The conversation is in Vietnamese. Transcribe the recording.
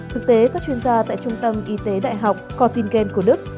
thực tế các chuyên gia tại trung tâm y tế đại học cortingen của đức